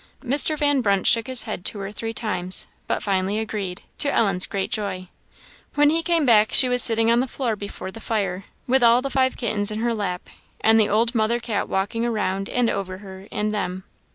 Mr. Van Brunt shook his head two or three times, but finally agreed, to Ellen's great joy. When he came back, she was sitting on the floor before the fire, with all the five kittens in her lap, and the old mother cat walking around and over her and them.